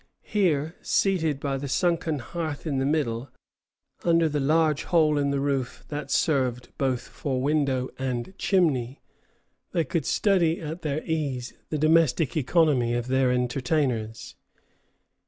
Here, seated by the sunken hearth in the middle, under the large hole in the roof that served both for window and chimney, they could study at their ease the domestic economy of their entertainers.